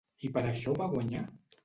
I per això va guanyar?